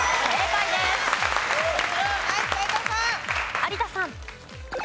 有田さん。